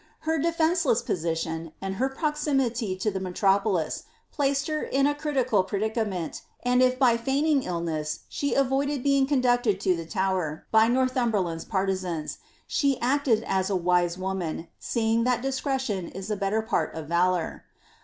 Her defenceless position, and her proximity to the metropolis, placed her in a critical predicament, and if by feigning illness she avoided being conducted to the Tower, by Northumberland's partisans, she acted as a wise woman| * Antiq. ft^nory, toI. I, p. 64, * Vo\. v. 60 XLIXABETH. seeing that discretioii is tlie better part of valour.